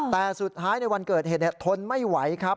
แต่สุดท้ายในวันเกิดเหตุทนไม่ไหวครับ